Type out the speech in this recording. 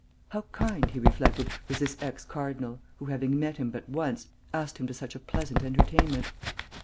How kind, he reflected, was this ex cardinal, who, having met him but once, asked him to such a pleasant entertainment.